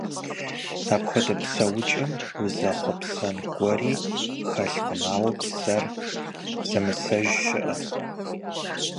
Апхуэдэ псэукӀэм узэхъуэпсэн гуэри хэлъкъым, ауэ псэр зэмысэж щыӀэ!